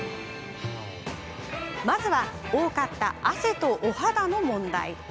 まずは多かった、汗とお肌の問題。